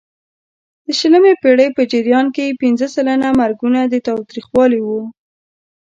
د شلمې پېړۍ په جریان کې پینځه سلنه مرګونه د تاوتریخوالي وو.